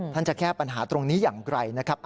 จะแก้ปัญหาตรงนี้อย่างไกลนะครับ